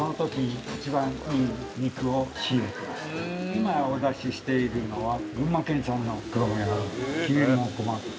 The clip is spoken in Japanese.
今お出ししているのは群馬県産の黒毛和牛。